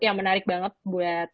yang menarik banget buat